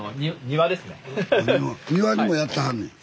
庭にもやってはんねや。